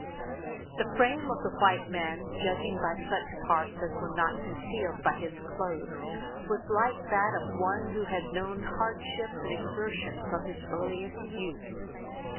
The frame of the white man, judging by such parts as were not concealed by his clothes, was like that of one who had known hardships and exertion from his earliest youth.